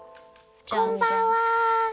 こんばんは。